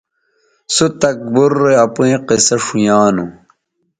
سُوہ تکبُر رے اپئیں قصے ݜؤیانوں